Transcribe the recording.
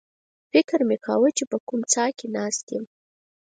فکر مې کاوه چې په کومه څاه کې ناست یم.